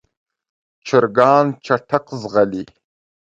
چرګان چټک ځغلېږي.